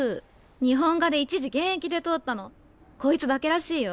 日本画で１次現役で通ったのこいつだけらしいよ。